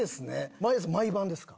毎朝毎晩ですか？